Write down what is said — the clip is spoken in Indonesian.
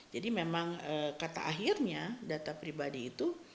jadi memang kata akhirnya data pribadi itu